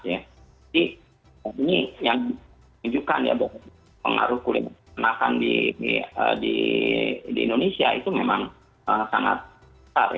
jadi mie yang menunjukkan bahwa pengaruh kuliner peran di indonesia itu memang sangat besar